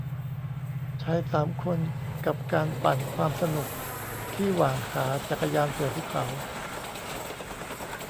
ชายสามคน กับการปั่นความสนุกที่หว่างขา จักรยานเสือภูเขา